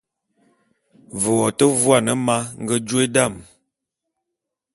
Ve wo te vuane ma nge jôe dam.